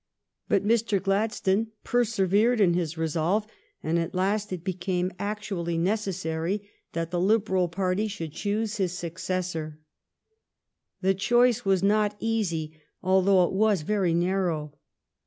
But Mr. Gladstone persevered. in his resolve, and at last it became actually necessary that the Liberal party should choose his successor. The choice was not easy, although it was very narrow.